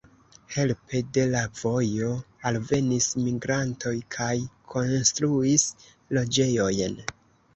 Helpe de la vojo alvenis migrantoj kaj konstruis loĝejojn.